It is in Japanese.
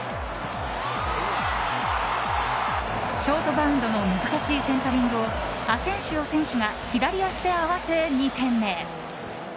ショートバウンドの難しいセンタリングをアセンシオ選手が左足で合わせ２点目。